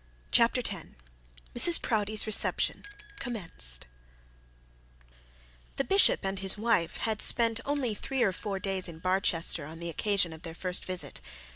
CHAPTER X MRS PROUDIE'S RECEPTION COMMENCED The bishop and his wife had only spent three or four days in Barchester on the occasion of their first visit.